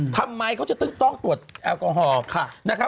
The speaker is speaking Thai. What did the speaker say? ทำไมเขาจะต้องตรวจแอลกอฮอล์